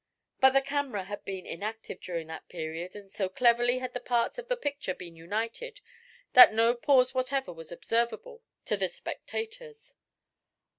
But the camera had been inactive during that period and so cleverly had the parts of the picture been united that no pause whatever was observable to the spectators.